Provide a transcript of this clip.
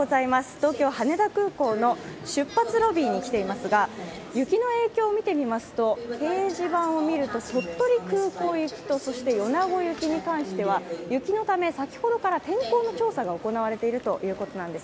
東京羽田空港の出発ロビーに来ていますが雪の影響を見てみますと、掲示板を見ると、鳥取空港行きと米子行きに関しては先ほどから天候の調査が行われているということなんです。